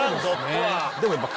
でもやっぱ。